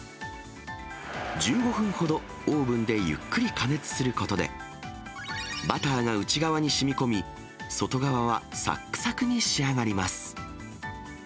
１５分ほどオーブンでゆっくり加熱することで、バターが内側にしみこみ、外側はさっくさくに仕上がります。